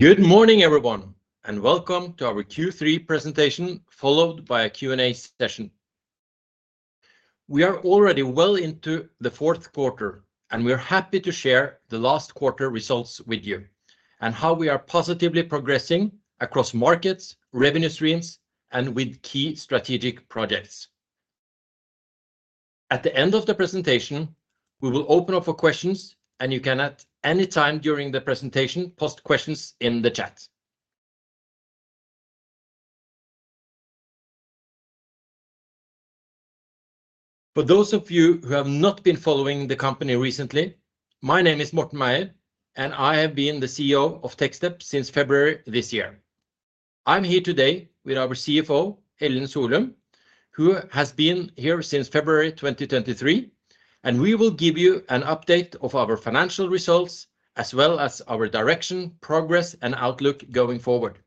Good morning, everyone, and welcome to our Q3 presentation followed by a Q&A session. We are already well into the fourth quarter, and we're happy to share the last quarter results with you and how we are positively progressing across markets, revenue streams, and with key strategic projects. At the end of the presentation, we will open up for questions, and you can at any time during the presentation post questions in the chat. For those of you who have not been following the company recently, my name is Morten Meier, and I have been the CEO of Techstep since February this year. I'm here today with our CFO, Ellen Solum, who has been here since February 2023, and we will give you an update of our financial results as well as our direction, progress, and outlook going forward.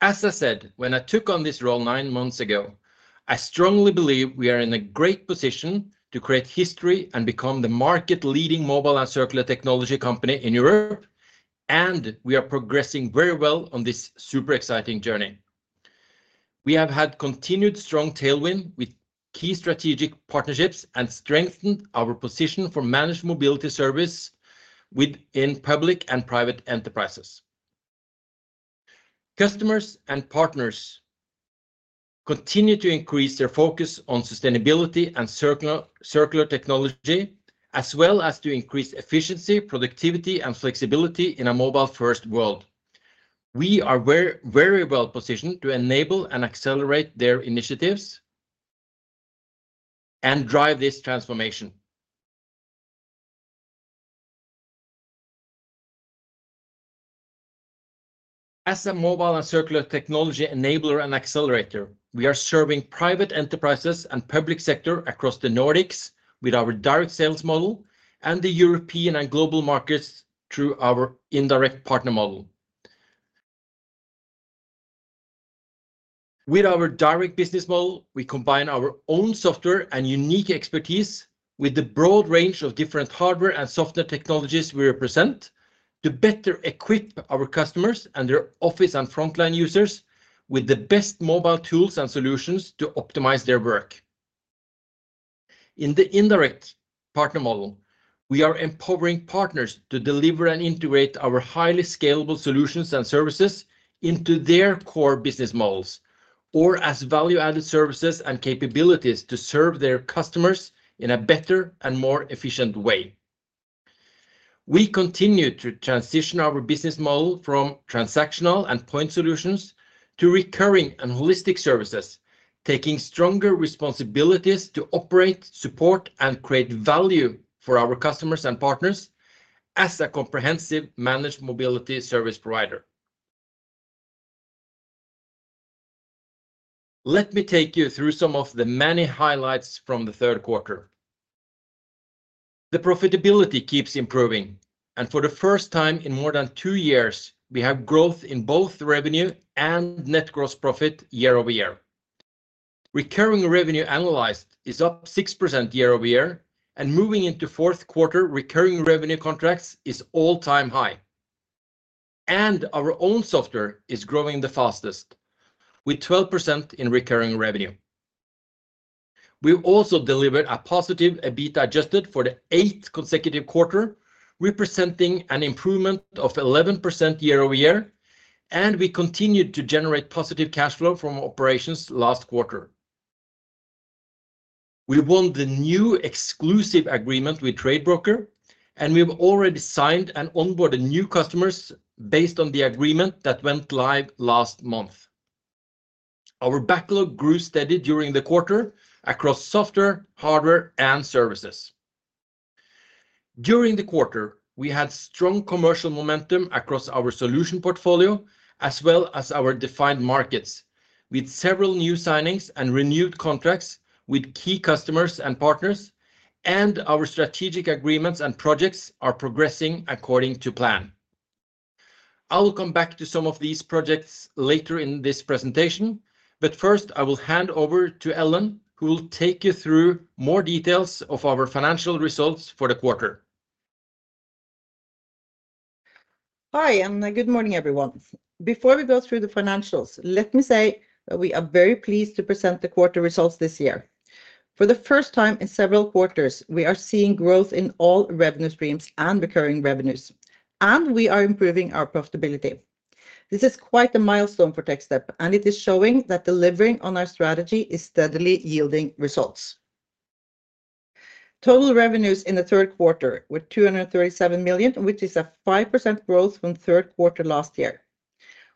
As I said, when I took on this role nine months ago, I strongly believe we are in a great position to create history and become the market-leading mobile and circular technology company in Europe, and we are progressing very well on this super exciting journey. We have had continued strong tailwind with key strategic partnerships and strengthened our position for managed mobility service within public and private enterprises. Customers and partners continue to increase their focus on sustainability and circular technology, as well as to increase efficiency, productivity, and flexibility in a mobile-first world. We are very well positioned to enable and accelerate their initiatives and drive this transformation. As a mobile and circular technology enabler and accelerator, we are serving private enterprises and public sector across the Nordics with our direct sales model and the European and global markets through our indirect partner model. With our direct business model, we combine our own software and unique expertise with the broad range of different hardware and software technologies we represent to better equip our customers and their office and frontline users with the best mobile tools and solutions to optimize their work. In the indirect partner model, we are empowering partners to deliver and integrate our highly scalable solutions and services into their core business models or as value-added services and capabilities to serve their customers in a better and more efficient way. We continue to transition our business model from transactional and point solutions to recurring and holistic services, taking stronger responsibilities to operate, support, and create value for our customers and partners as a comprehensive managed mobility service provider. Let me take you through some of the many highlights from the third quarter. The profitability keeps improving, and for the first time in more than two years, we have growth in both revenue and net gross profit year over year. ARR is up 6% year over year, and moving into fourth quarter, recurring revenue contracts is all-time high. Our own software is growing the fastest with 12% in recurring revenue. We also delivered a positive EBITDA Adjusted for the eighth consecutive quarter, representing an improvement of 11% year over year, and we continued to generate positive cash flow from operations last quarter. We won the new exclusive agreement with Tradebroker, and we've already signed and onboarded new customers based on the agreement that went live last month. Our backlog grew steady during the quarter across software, hardware, and services. During the quarter, we had strong commercial momentum across our solution portfolio as well as our defined markets with several new signings and renewed contracts with key customers and partners, and our strategic agreements and projects are progressing according to plan. I'll come back to some of these projects later in this presentation, but first, I will hand over to Ellen, who will take you through more details of our financial results for the quarter. Hi, and good morning, everyone. Before we go through the financials, let me say that we are very pleased to present the quarter results this year. For the first time in several quarters, we are seeing growth in all revenue streams and recurring revenues, and we are improving our profitability. This is quite a milestone for Techstep, and it is showing that delivering on our strategy is steadily yielding results. Total revenues in the third quarter were 237 million, which is a 5% growth from third quarter last year.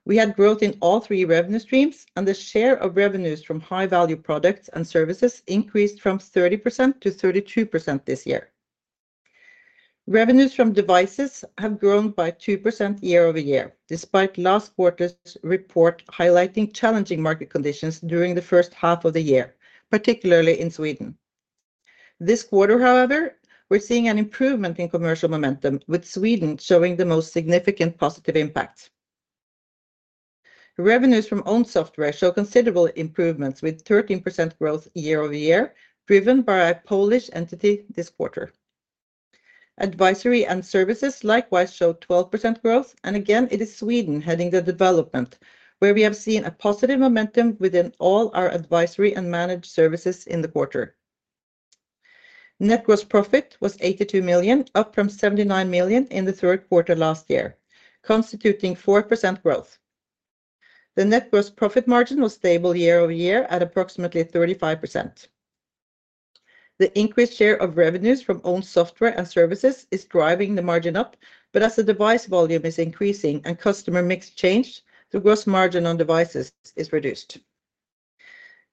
We had growth in all three revenue streams, and the share of revenues from high-value products and services increased from 30% - 32% this year. Revenues from devices have grown by 2% year over year, despite last quarter's report highlighting challenging market conditions during the first half of the year, particularly in Sweden. This quarter, however, we're seeing an improvement in commercial momentum, with Sweden showing the most significant positive impact. Revenues from owned software show considerable improvements with 13% growth year over year, driven by a Polish entity this quarter. Advisory and services likewise show 12% growth, and again, it is Sweden heading the development, where we have seen a positive momentum within all our advisory and managed services in the quarter. Net gross profit was 82 million, up from 79 million in the third quarter last year, constituting 4% growth. The net gross profit margin was stable year over year at approximately 35%. The increased share of revenues from owned software and services is driving the margin up, but as the device volume is increasing and customer mix changed, the gross margin on devices is reduced.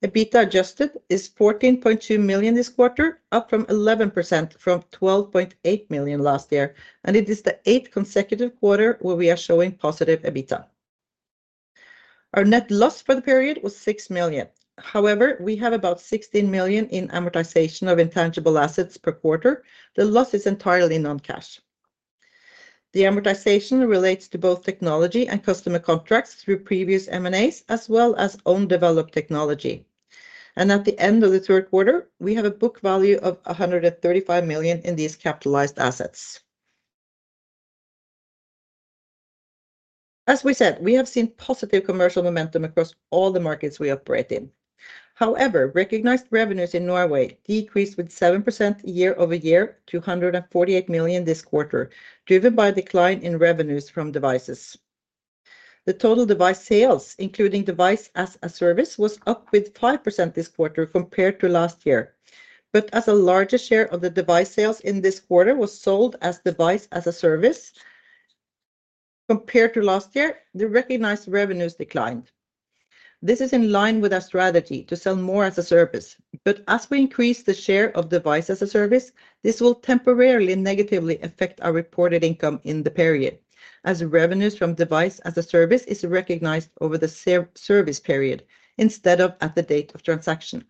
EBITDA Adjusted is 14.2 million this quarter, up from 11% from 12.8 million last year, and it is the eighth consecutive quarter where we are showing positive EBITDA. Our net loss for the period was 6 million. However, we have about 16 million in amortization of intangible assets per quarter. The loss is entirely non-cash. The amortization relates to both technology and customer contracts through previous M&As, as well as owned-developed technology. At the end of the third quarter, we have a book value of 135 million in these capitalized assets. As we said, we have seen positive commercial momentum across all the markets we operate in. However, recognized revenues in Norway decreased with 7% year over year to 148 million this quarter, driven by a decline in revenues from devices. The total device sales, including device as a service, was up with 5% this quarter compared to last year, but as a larger share of the device sales in this quarter was sold as device as a service compared to last year, the recognized revenues declined. This is in line with our strategy to sell more as a service, but as we increase the share of device as a service, this will temporarily negatively affect our reported income in the period, as revenues from device as a service is recognized over the service period instead of at the date of transaction.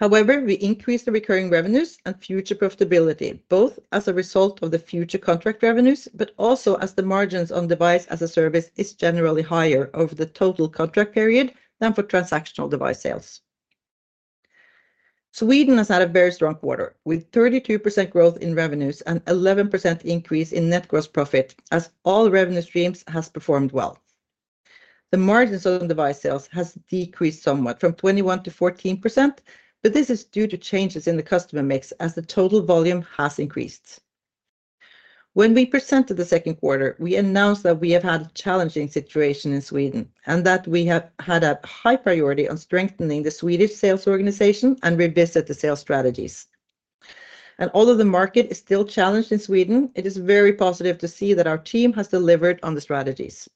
However, we increase the recurring revenues and future profitability, both as a result of the future contract revenues, but also as the margins on device as a service is generally higher over the total contract period than for transactional device sales. Sweden has had a very strong quarter with 32% growth in revenues and 11% increase in net gross profit as all revenue streams have performed well. The margins on device sales have decreased somewhat from 21% - 14%, but this is due to changes in the customer mix as the total volume has increased. When we presented the second quarter, we announced that we have had a challenging situation in Sweden and that we have had a high priority on strengthening the Swedish sales organization and revisit the sales strategies, and although the market is still challenged in Sweden, it is very positive to see that our team has delivered on the strategies.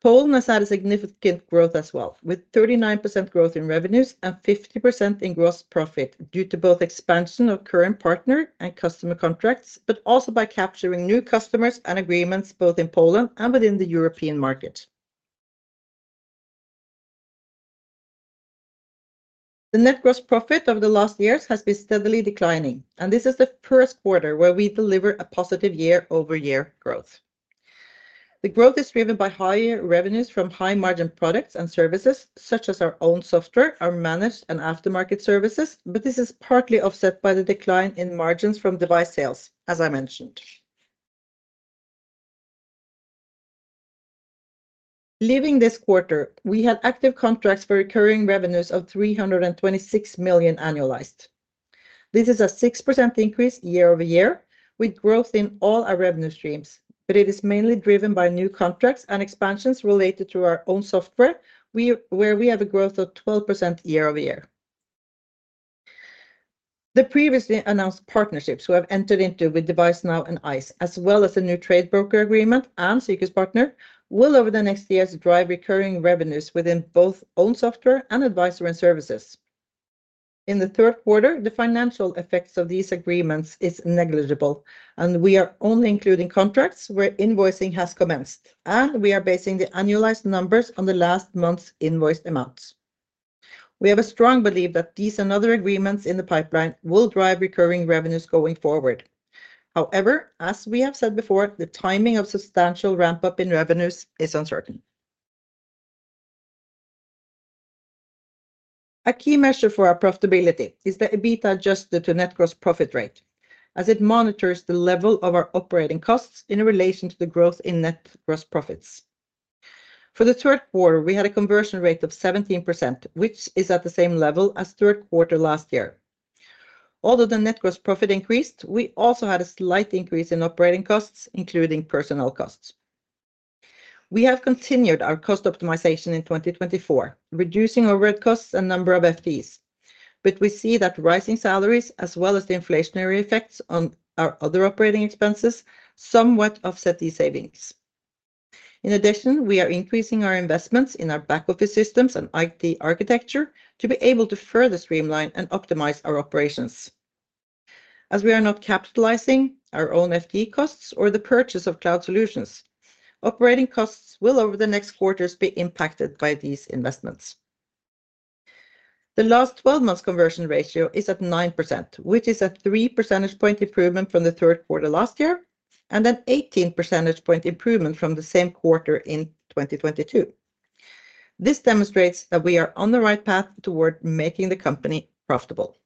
Poland has had a significant growth as well, with 39% growth in revenues and 50% in gross profit due to both expansion of current partner and customer contracts, but also by capturing new customers and agreements both in Poland and within the European market. The net gross profit over the last years has been steadily declining, and this is the first quarter where we deliver a positive year-over-year growth. The growth is driven by higher revenues from high-margin products and services such as our own software, our managed and aftermarket services, but this is partly offset by the decline in margins from device sales, as I mentioned. Leaving this quarter, we had active contracts for recurring revenues of 326 million annualized. This is a 6% increase year-over-year with growth in all our revenue streams, but it is mainly driven by new contracts and expansions related to our own software, where we have a growth of 12% year-over-year. The previously announced partnerships we have entered into with DeviceNow and ICE, as well as the new Tradebroker agreement and Sykehuspartner, will over the next years drive recurring revenues within both owned software and advisory services. In the third quarter, the financial effects of these agreements are negligible, and we are only including contracts where invoicing has commenced, and we are basing the annualized numbers on the last month's invoiced amounts. We have a strong belief that these and other agreements in the pipeline will drive recurring revenues going forward. However, as we have said before, the timing of substantial ramp-up in revenues is uncertain. A key measure for our profitability is the EBITDA adjusted to net gross profit rate, as it monitors the level of our operating costs in relation to the growth in net gross profits. For the third quarter, we had a conversion rate of 17%, which is at the same level as third quarter last year. Although the net gross profit increased, we also had a slight increase in operating costs, including personnel costs. We have continued our cost optimization in 2024, reducing overhead costs and number of FTEs, but we see that rising salaries, as well as the inflationary effects on our other operating expenses, somewhat offset these savings. In addition, we are increasing our investments in our back-office systems and IT architecture to be able to further streamline and optimize our operations. As we are not capitalizing our own FTE costs or the purchase of cloud solutions, operating costs will over the next quarters be impacted by these investments. The last 12-month conversion ratio is at 9%, which is a 3 percentage point improvement from the third quarter last year and an 18 percentage point improvement from the same quarter in 2022. This demonstrates that we are on the right path toward making the company profitable.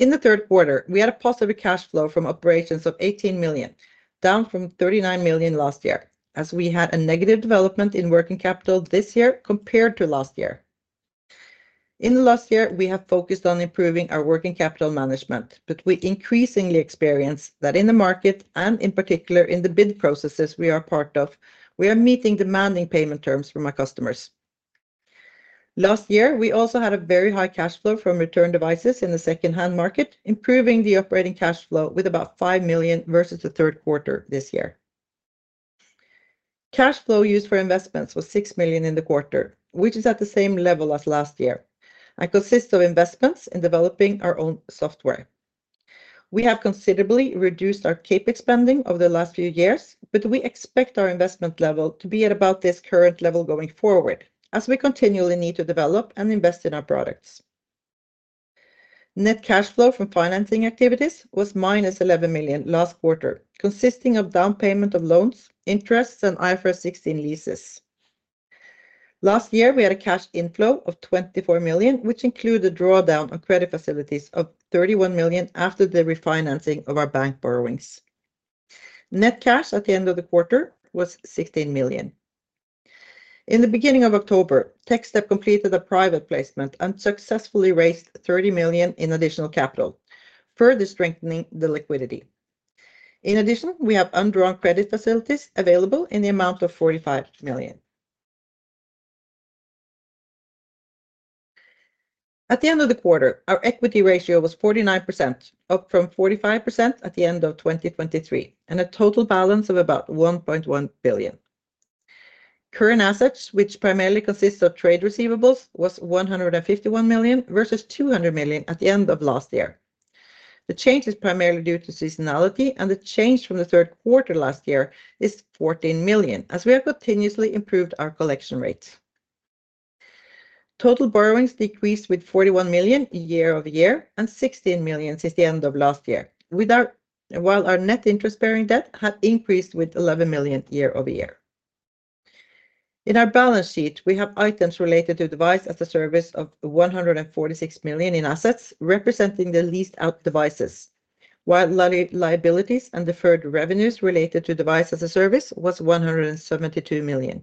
In the third quarter, we had a positive cash flow from operations of 18 million, down from 39 million last year, as we had a negative development in working capital this year compared to last year. In the last year, we have focused on improving our working capital management, but we increasingly experience that in the market and in particular in the bid processes we are part of, we are meeting demanding payment terms from our customers. Last year, we also had a very high cash flow from return devices in the second-hand market, improving the operating cash flow with about 5 million versus the third quarter this year. Cash flow used for investments was 6 million in the quarter, which is at the same level as last year and consists of investments in developing our own software. We have considerably reduced our CapEx spending over the last few years, but we expect our investment level to be at about this current level going forward, as we continually need to develop and invest in our products. Net cash flow from financing activities was minus 11 million last quarter, consisting of down payment of loans, interest, and IFRS 16 leases. Last year, we had a cash inflow of 24 million, which included a drawdown on credit facilities of 31 million after the refinancing of our bank borrowings. Net cash at the end of the quarter was 16 million. In the beginning of October, Techstep completed a private placement and successfully raised 30 million in additional capital, further strengthening the liquidity. In addition, we have undrawn credit facilities available in the amount of 45 million. At the end of the quarter, our equity ratio was 49%, up from 45% at the end of 2023, and a total balance of about 1.1 billion. Current assets, which primarily consist of trade receivables, was 151 million versus 200 million at the end of last year. The change is primarily due to seasonality, and the change from the third quarter last year is 14 million, as we have continuously improved our collection rate. Total borrowings decreased with 41 million year-over-year and 16 million since the end of last year, while our net interest-bearing debt had increased with 11 million year-over-year. In our balance sheet, we have items related to Device as a Service of 146 million in assets, representing the leased-out devices, while liabilities and deferred revenues related to Device as a Service were 172 million.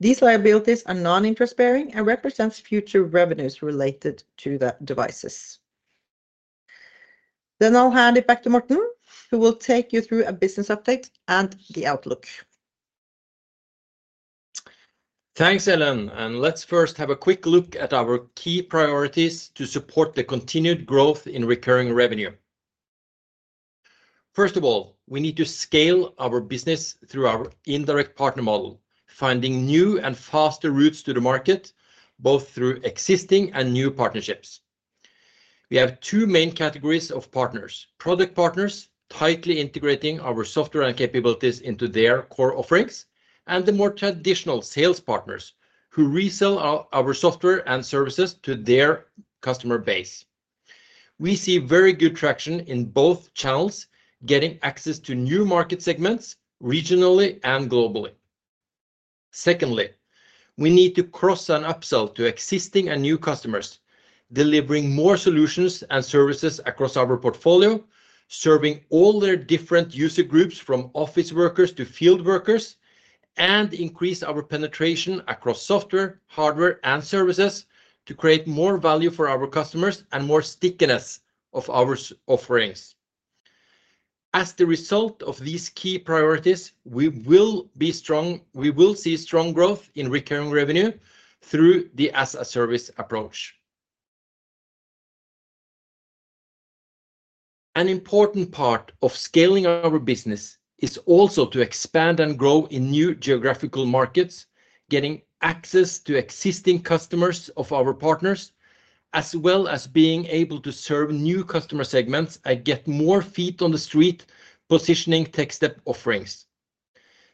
These liabilities are non-interest-bearing and represent future revenues related to the devices. Then I'll hand it back to Morten, who will take you through a business update and the outlook. Thanks, Ellen. And let's first have a quick look at our key priorities to support the continued growth in recurring revenue. First of all, we need to scale our business through our indirect partner model, finding new and faster routes to the market, both through existing and new partnerships. We have two main categories of partners: product partners, tightly integrating our software and capabilities into their core offerings, and the more traditional sales partners who resell our software and services to their customer base. We see very good traction in both channels, getting access to new market segments regionally and globally. Secondly, we need to cross and upsell to existing and new customers, delivering more solutions and services across our portfolio, serving all their different user groups from office workers to field workers, and increase our penetration across software, hardware, and services to create more value for our customers and more stickiness of our offerings. As the result of these key priorities, we will be strong. We will see strong growth in recurring revenue through the as-a-service approach. An important part of scaling our business is also to expand and grow in new geographical markets, getting access to existing customers of our partners, as well as being able to serve new customer segments and get more feet on the street positioning Techstep offerings.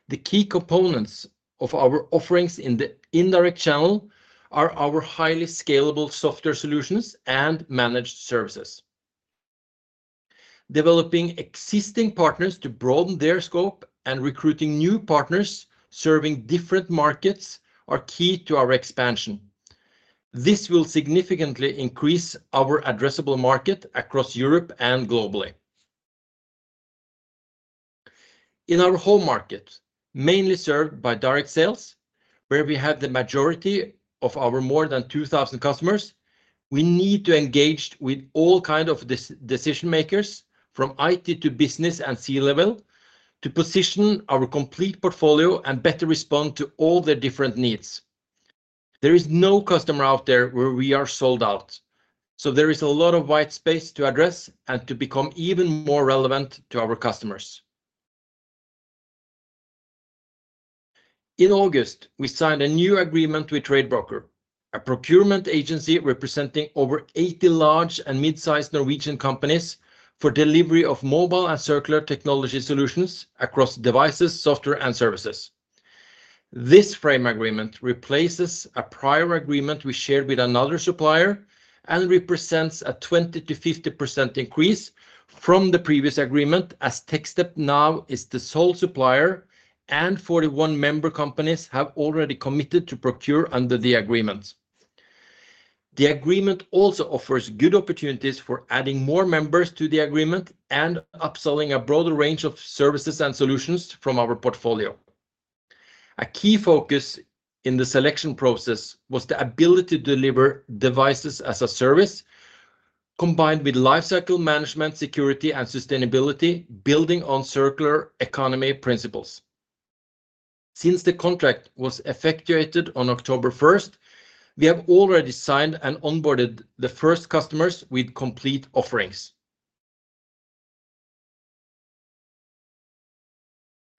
The key components of our offerings in the indirect channel are our highly scalable software solutions and managed services. Developing existing partners to broaden their scope and recruiting new partners serving different markets are key to our expansion. This will significantly increase our addressable market across Europe and globally. In our whole market, mainly served by direct sales, where we have the majority of our more than 2,000 customers, we need to engage with all kinds of decision-makers, from IT to business and C-level, to position our complete portfolio and better respond to all their different needs. There is no customer out there where we are sold out, so there is a lot of white space to address and to become even more relevant to our customers. In August, we signed a new agreement with Tradebroker, a procurement agency representing over 80 large and mid-sized Norwegian companies for delivery of mobile and circular technology solutions across devices, software, and services. This frame agreement replaces a prior agreement we shared with another supplier and represents a 20% to 50% increase from the previous agreement, as Techstep now is the sole supplier, and 41 member companies have already committed to procure under the agreement. The agreement also offers good opportunities for adding more members to the agreement and upselling a broader range of services and solutions from our portfolio. A key focus in the selection process was the ability to deliver devices as a service combined with lifecycle management, security, and sustainability, building on circular economy principles. Since the contract was effectuated on October 1st, we have already signed and onboarded the first customers with complete offerings.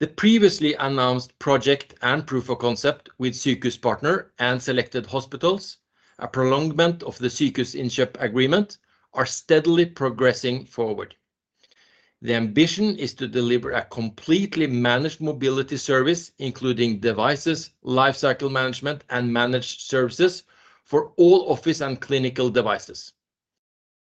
The previously announced project and proof of concept with Sykehuspartner and selected hospitals, a prolongment of the Sykehusinnkjøp agreement, are steadily progressing forward. The ambition is to deliver a completely managed mobility service, including devices, lifecycle management, and managed services for all office and clinical devices.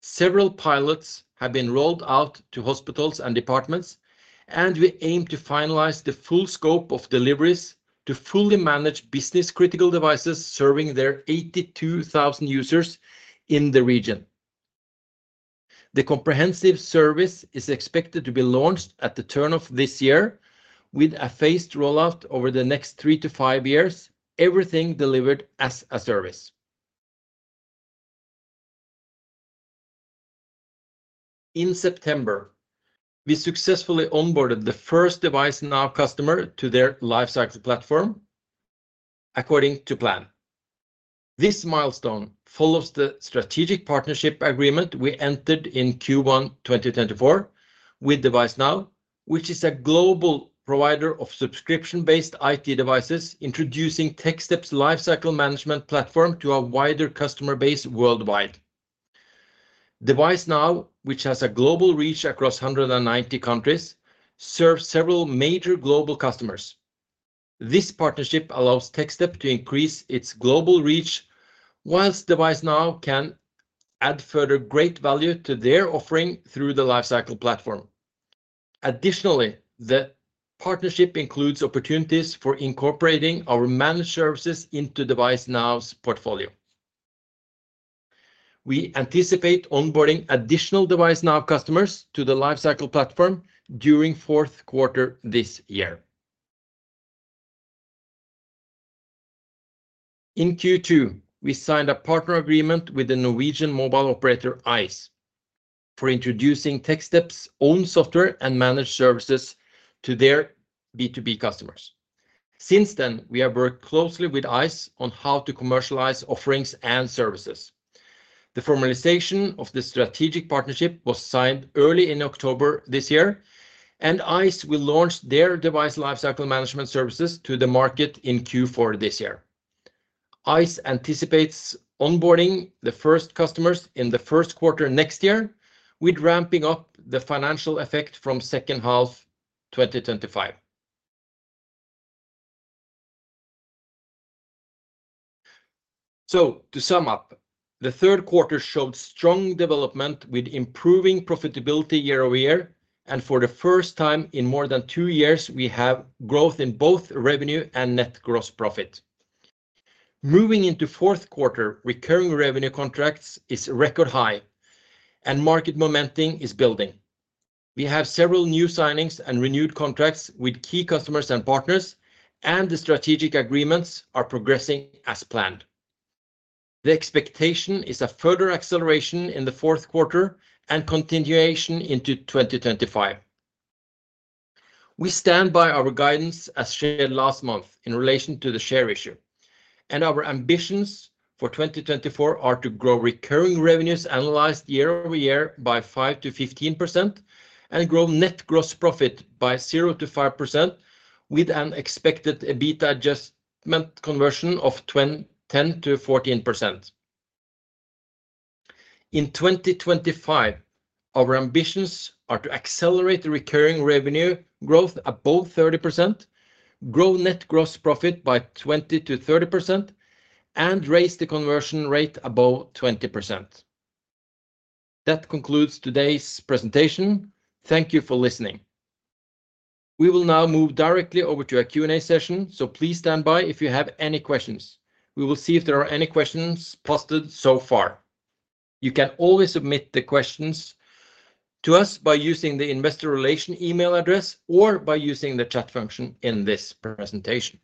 Several pilots have been rolled out to hospitals and departments, and we aim to finalize the full scope of deliveries to fully manage business-critical devices serving their 82,000 users in the region. The comprehensive service is expected to be launched at the turn of this year, with a phased rollout over the next three to five years, everything delivered as a service. In September, we successfully onboarded the first DeviceNow customer to their lifecycle platform according to plan. This milestone follows the strategic partnership agreement we entered in Q1 2024 with DeviceNow, which is a global provider of subscription-based IT devices, introducing Techstep's lifecycle management platform to a wider customer base worldwide. DeviceNow, which has a global reach across 190 countries, serves several major global customers. This partnership allows Techstep to increase its global reach, while DeviceNow can add further great value to their offering through the lifecycle platform. Additionally, the partnership includes opportunities for incorporating our managed services into DeviceNow's portfolio. We anticipate onboarding additional DeviceNow customers to the lifecycle platform during fourth quarter this year. In Q2, we signed a partner agreement with the Norwegian mobile operator ICE for introducing Techstep's own software and managed services to their B2B customers. Since then, we have worked closely with ICE on how to commercialize offerings and services. The formalization of the strategic partnership was signed early in October this year, and ICE will launch their device lifecycle management services to the market in Q4 this year. ICE anticipates onboarding the first customers in the first quarter next year, with ramping up the financial effect from second half 2025. To sum up, the third quarter showed strong development with improving profitability year over year, and for the first time in more than two years, we have growth in both revenue and net gross profit. Moving into fourth quarter, recurring revenue contracts is record high, and market momentum is building. We have several new signings and renewed contracts with key customers and partners, and the strategic agreements are progressing as planned. The expectation is a further acceleration in the fourth quarter and continuation into 2025. We stand by our guidance, as shared last month, in relation to the share issue, and our ambitions for 2024 are to grow recurring revenues annualized year over year by 5%-15% and grow net gross profit by 0%-5%, with an expected EBITDA adjusted conversion of 10%-14%. In 2025, our ambitions are to accelerate the recurring revenue growth above 30%, grow net gross profit by 20%-30%, and raise the conversion rate above 20%. That concludes today's presentation. Thank you for listening. We will now move directly over to a Q&A session, so please stand by if you have any questions. We will see if there are any questions posted so far. You can always submit the questions to us by using the investor relation email address or by using the chat function in this presentation.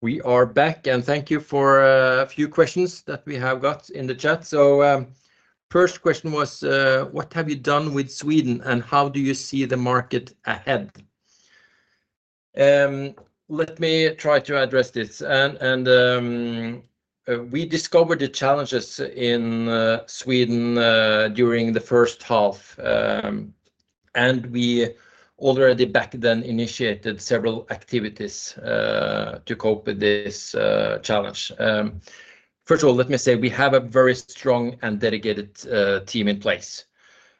We are back, and thank you for a few questions that we have got in the chat. So, first question was, what have you done with Sweden, and how do you see the market ahead? Let me try to address this. We discovered the challenges in Sweden during the first half, and we already back then initiated several activities to cope with this challenge. First of all, let me say we have a very strong and dedicated team in place,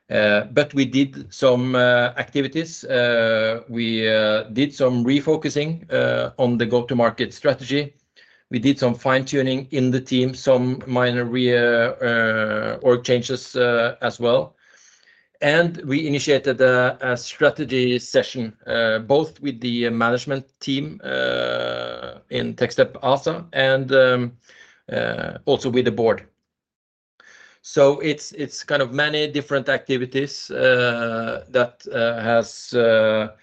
but we did some activities. We did some refocusing on the go-to-market strategy. We did some fine-tuning in the team, some minor work changes as well, and we initiated a strategy session both with the management team in Techstep ASA and also with the board. So, it's kind of many different activities that have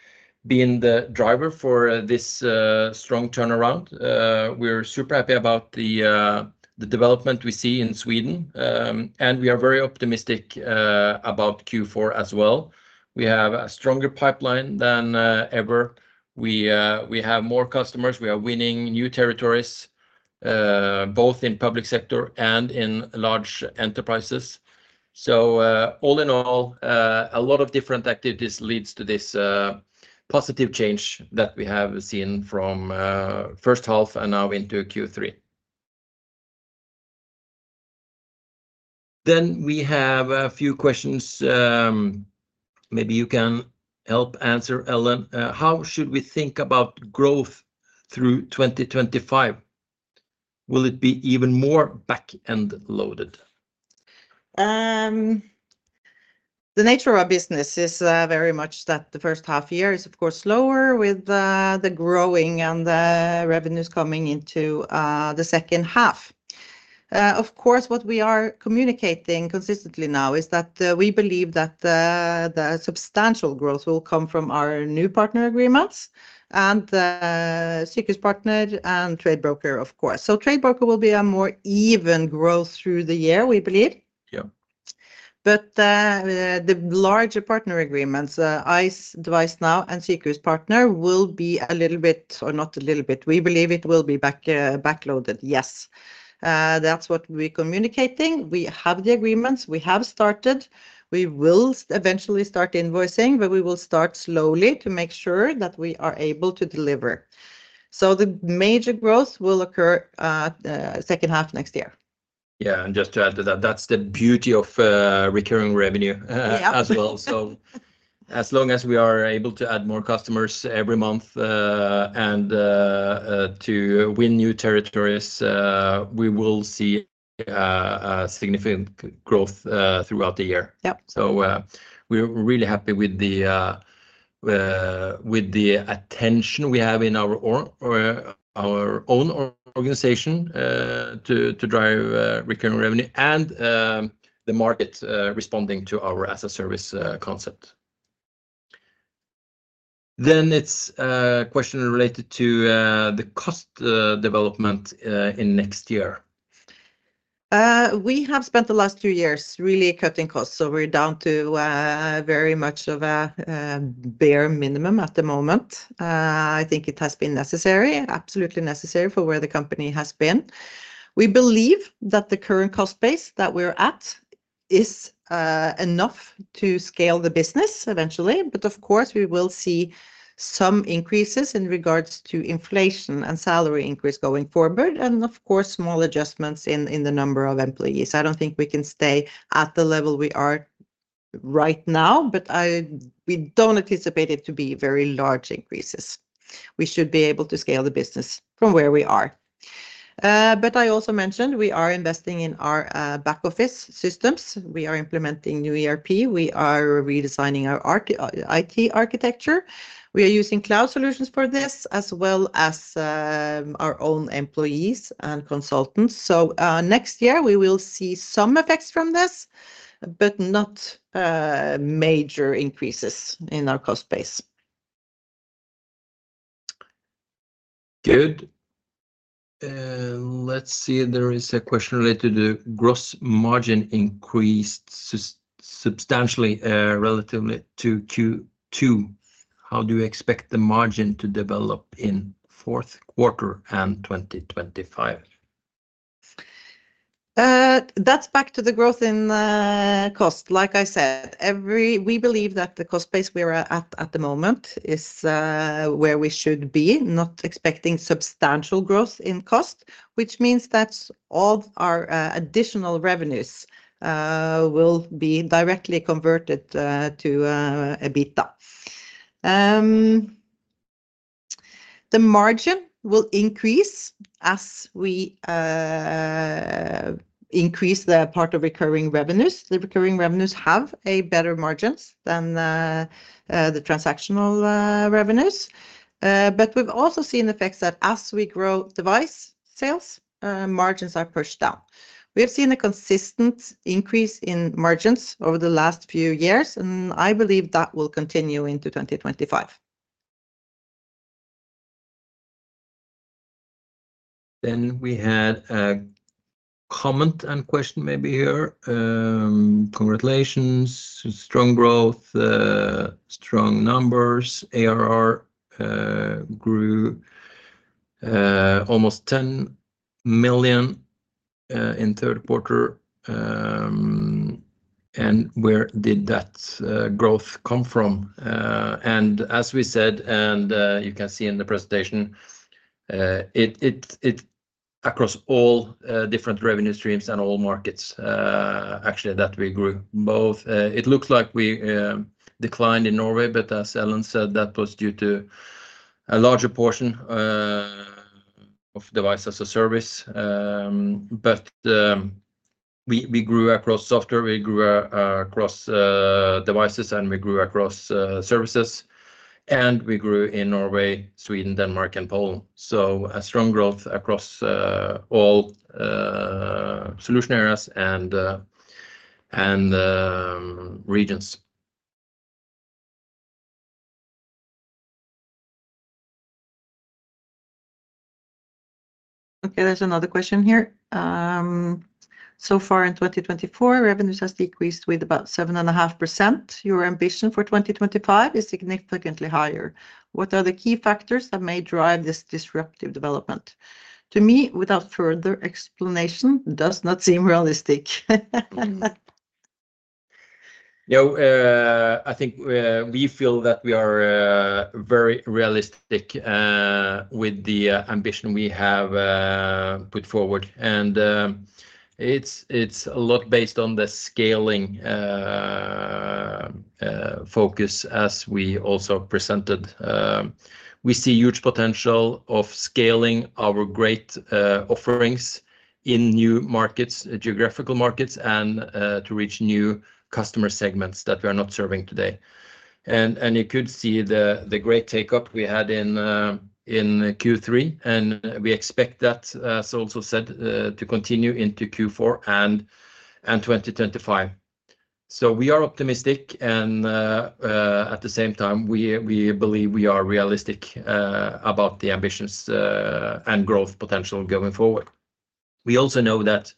been the driver for this strong turnaround. We're super happy about the development we see in Sweden, and we are very optimistic about Q4 as well. We have a stronger pipeline than ever. We have more customers. We are winning new territories both in the public sector and in large enterprises. So, all in all, a lot of different activities lead to this positive change that we have seen from first half and now into Q3. Then we have a few questions. Maybe you can help answer, Ellen. How should we think about growth through 2025? Will it be even more back-end loaded? The nature of our business is very much that the first half year is, of course, slower with the growing and the revenues coming into the second half. Of course, what we are communicating consistently now is that we believe that the substantial growth will come from our new partner agreements and Sykehuspartner and Tradebroker, of course. So, Tradebroker will be a more even growth through the year, we believe. Yeah. But the larger partner agreements, Ice, DeviceNow, and Sykehuspartner, will be a little bit, or not a little bit. We believe it will be back-loaded, yes. That's what we're communicating. We have the agreements. We have started. We will eventually start invoicing, but we will start slowly to make sure that we are able to deliver. So, the major growth will occur in the second half next year. Yeah, and just to add to that, that's the beauty of recurring revenue as well. So, as long as we are able to add more customers every month and to win new territories, we will see significant growth throughout the year. So, we're really happy with the attention we have in our own organization to drive recurring revenue and the market responding to our as a service concept. Then it's a question related to the cost development in next year. We have spent the last two years really cutting costs, so we're down to very much of a bare minimum at the moment. I think it has been necessary, absolutely necessary for where the company has been. We believe that the current cost base that we're at is enough to scale the business eventually, but of course, we will see some increases in regards to inflation and salary increase going forward, and of course, small adjustments in the number of employees. I don't think we can stay at the level we are right now, but we don't anticipate it to be very large increases. We should be able to scale the business from where we are. But I also mentioned we are investing in our back-office systems. We are implementing new ERP. We are redesigning our IT architecture. We are using cloud solutions for this as well as our own employees and consultants. So, next year, we will see some effects from this, but not major increases in our cost base. Good. Let's see if there is a question related to the gross margin increased substantially relative to Q2. How do you expect the margin to develop in fourth quarter and 2025? That's back to the growth in cost. Like I said, we believe that the cost base we are at at the moment is where we should be, not expecting substantial growth in cost, which means that all our additional revenues will be directly converted to EBITDA. The margin will increase as we increase the part of recurring revenues. The recurring revenues have better margins than the transactional revenues, but we've also seen effects that as we grow device sales, margins are pushed down. We have seen a consistent increase in margins over the last few years, and I believe that will continue into 2025. Then we had a comment and question maybe here. Congratulations. Strong growth, strong numbers. ARR grew almost 10 million in third quarter. And where did that growth come from? And as we said, and you can see in the presentation, across all different revenue streams and all markets, actually, that we grew both. It looks like we declined in Norway, but as Ellen said, that was due to a larger portion of device as a service. But we grew across software, we grew across devices, and we grew across services, and we grew in Norway, Sweden, Denmark, and Poland. So, a strong growth across all solution areas and regions. Okay, there's another question here. So far in 2024, revenues have decreased with about 7.5%. Your ambition for 2025 is significantly higher. What are the key factors that may drive this disruptive development? To me, without further explanation, does not seem realistic. Yeah, I think we feel that we are very realistic with the ambition we have put forward, and it's a lot based on the scaling focus as we also presented. We see huge potential of scaling our great offerings in new markets, geographical markets, and to reach new customer segments that we are not serving today. And you could see the great takeoff we had in Q3, and we expect that, as also said, to continue into Q4 and 2025. So, we are optimistic, and at the same time, we believe we are realistic about the ambitions and growth potential going forward. We also know that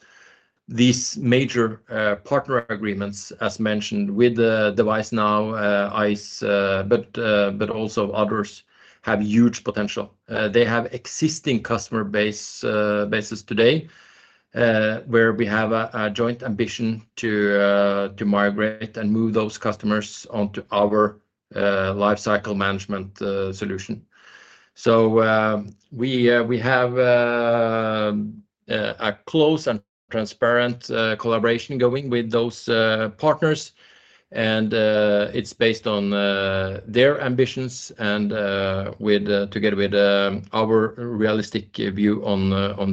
these major partner agreements, as mentioned, with DeviceNow, ICE, but also others, have huge potential. They have existing customer bases today where we have a joint ambition to migrate and move those customers onto our lifecycle management solution. So, we have a close and transparent collaboration going with those partners, and it's based on their ambitions and together with our realistic view on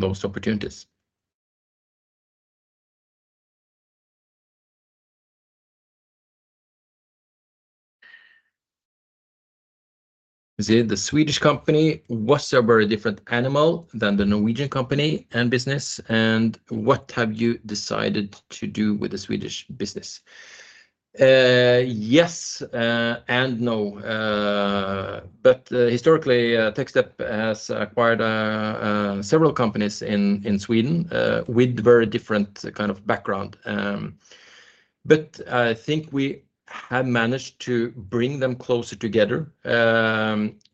those opportunities. The Swedish company was a very different animal than the Norwegian company and business, and what have you decided to do with the Swedish business? Yes and no, but historically, Techstep has acquired several companies in Sweden with very different kind of background. But I think we have managed to bring them closer together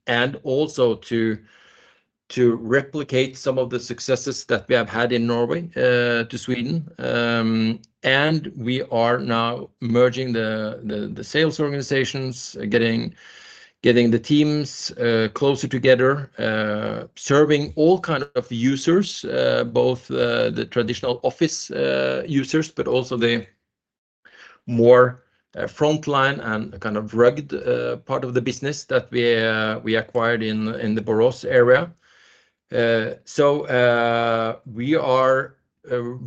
and also to replicate some of the successes that we have had in Norway to Sweden. We are now merging the sales organizations, getting the teams closer together, serving all kinds of users, both the traditional office users, but also the more frontline and kind of rugged part of the business that we acquired in the Borås area. We are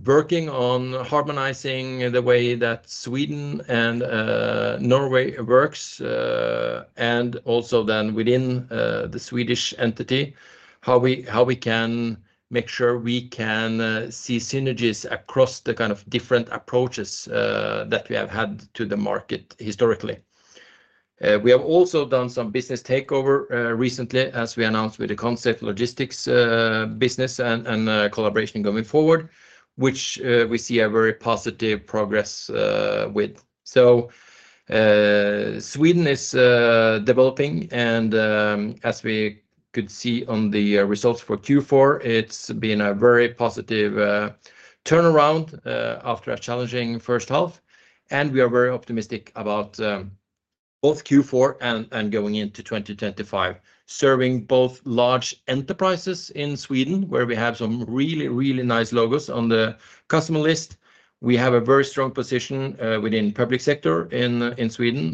working on harmonizing the way that Sweden and Norway works, and also then within the Swedish entity, how we can make sure we can see synergies across the kind of different approaches that we have had to the market historically. We have also done some business takeover recently as we announced with the Consept business and collaboration going forward, which we see a very positive progress with. Sweden is developing, and as we could see on the results for Q4, it's been a very positive turnaround after a challenging first half, and we are very optimistic about both Q4 and going into 2025, serving both large enterprises in Sweden where we have some really, really nice logos on the customer list. We have a very strong position within the public sector in Sweden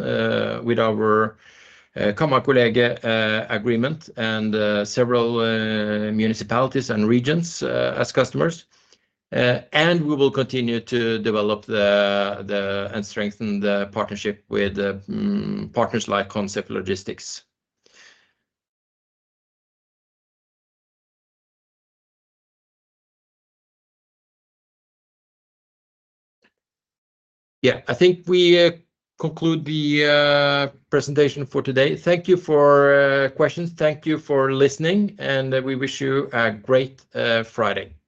with our Kammarkollegiet agreement and several municipalities and regions as customers, and we will continue to develop and strengthen the partnership with partners like Consept. Yeah, I think we conclude the presentation for today. Thank you for questions. Thank you for listening, and we wish you a great Friday.